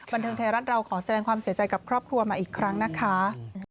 บันเทิงไทยรัฐเราขอแสดงความเสียใจกับครอบครัวมาอีกครั้งนะคะ